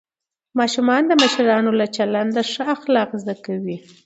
ماشومان د مشرانو له چلنده ښه اخلاق زده کوي